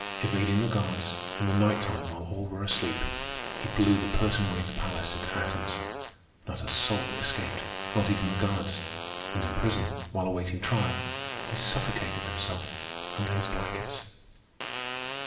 Evading the guards, in the nighttime while all were asleep, he blew the Pertonwaithe palace into atoms. Not a soul escaped, not even the guards. And in prison, while awaiting trial, he suffocated himself under his blankets.